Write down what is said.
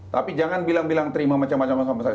tapi jangan bilang bilang terima macam macam sama saya